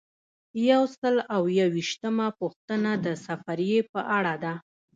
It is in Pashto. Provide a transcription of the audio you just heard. یو سل او یو ویشتمه پوښتنه د سفریې په اړه ده.